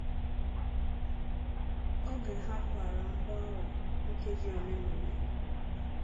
Oge ha kwàrà mgbọ ahụ nkeji olenaole